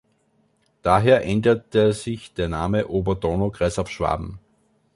Daher änderte sich der Name Oberdonaukreis auf Schwaben.